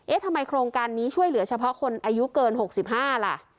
ทำไมโครงการนี้ช่วยเหลือเฉพาะคนอายุเกิน๖๕ล่ะ